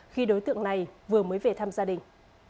khi đối tượng này vừa mới về thăm gia đình